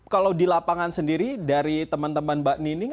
kalau di lapangan sendiri dari teman teman mbak nining